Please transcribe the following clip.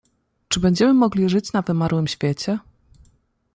"Czy będziemy mogli żyć na wymarłym świecie?"